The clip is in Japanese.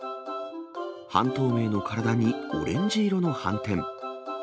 半透明の体にオレンジ色の斑点。